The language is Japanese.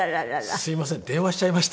すみません。